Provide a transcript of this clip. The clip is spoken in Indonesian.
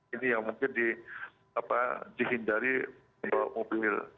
ini yang mungkin dihindari membawa mobil